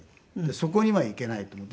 そこにはいけないと思って。